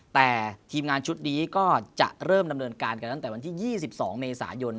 แต่ทีมงานชุดนี้ก็จะเริ่มดำเนินการกันตั้งแต่วันที่๒๒เมษายน